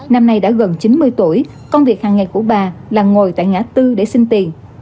năm nay đã gần chín mươi tuổi công việc hàng ngày của bà là ngồi tại ngã tư để xin tiền